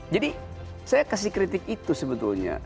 jadi saya kasih kritik itu sebetulnya